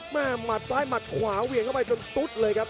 หมัดซ้ายหมัดขวาเหวี่ยงเข้าไปจนตุ๊ดเลยครับ